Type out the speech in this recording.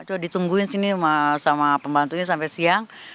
coba ditungguin sini sama pembantunya sampai siang